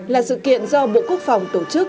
là sự kiện do bộ quốc phòng tổ chức